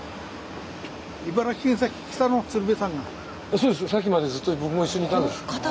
そうですさっきまでずっと僕も一緒にいたんです。